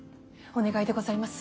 お願いでございます。